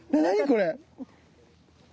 これ。